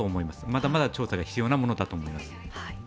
まだまだ調査が必要なものだと思います。